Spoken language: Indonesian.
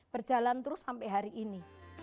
berjalan terus sampai hari ini